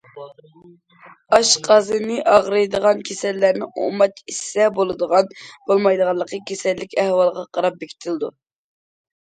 ئاشقازىنى ئاغرىيدىغان كېسەللەرنىڭ ئۇماچ ئىچسە بولىدىغان- بولمايدىغانلىقى كېسەللىك ئەھۋالىغا قاراپ بېكىتىلىدۇ.